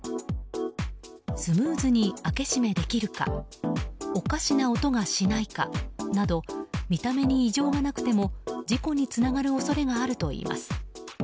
スムーズに開け閉めできるかおかしな音がしないか、など見た目に異常がなくても事故につながる恐れがあるといいます。